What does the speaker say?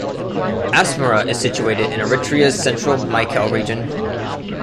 Asmara is situated in Eritrea's central Maekel Region.